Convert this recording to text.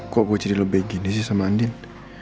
kok gue jadi lebih gini sih sama andin